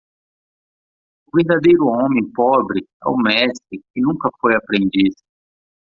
O verdadeiro homem pobre é o mestre que nunca foi aprendiz.